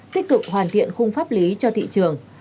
tích cực hoàn thiện khung pháp lý cho thị trường